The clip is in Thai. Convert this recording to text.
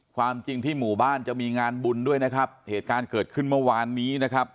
ความจริงที่หมู่บ้านจะมีงานบุญด้วยนะครับเหตุการณ์เกิดขึ้นเมื่อวานนี้นะครับ